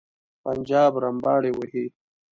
پنجاب رمباړې وهي.